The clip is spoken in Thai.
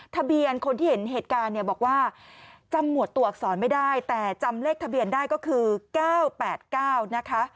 ทะเบียนคนที่เห็นเหตุการณ์เนี่ยบอกว่าจำหมวดตัวอักษรไม่ได้แต่จำเลขทะเบียนได้ก็คือ๙๘๙นะคะ